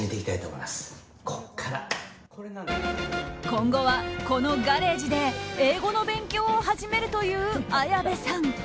今後は、このガレージで英語の勉強を始めるという綾部さん。